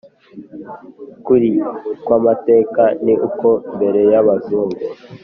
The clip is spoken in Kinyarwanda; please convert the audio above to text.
Ukuri kw'amateka ni uko mbere y'Abazungu